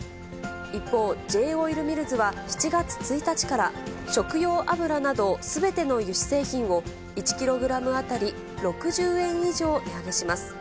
一方、Ｊ−オイルミルズは７月１日から、食用油などすべての油脂製品を、１キログラム当たり６０円以上値上げします。